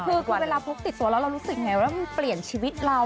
คือเวลาพกติดตัวแล้วเรารู้สึกไงว่ามันเปลี่ยนชีวิตเรา